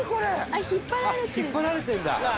あっ引っ張られてるんだ！